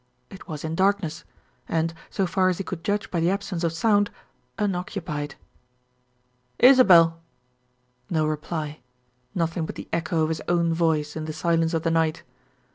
It was in darkness; and, so far as he could judge by the absence of sound, unoccupied. "Isabel!" No reply. Nothing but the echo of his own voice in the silence of the night.